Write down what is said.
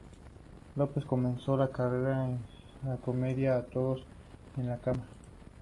López comenzó su carrera en la comedia "O todos en la cama".